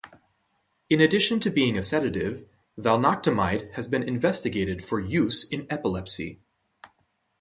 In addition to being a sedative, valnoctamide has been investigated for use in epilepsy.